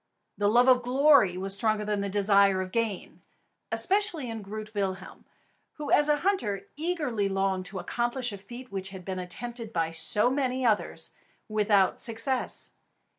The love of glory was stronger than the desire of gain, especially in Groot Willem, who as a hunter eagerly longed to accomplish a feat which had been attempted by so many others without success.